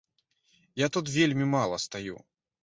Я тут вельмі мала стаю.